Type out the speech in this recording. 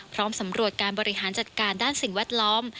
พร้อมสำรวจการบริหารจัดการด้านสิ่งแวดล้อม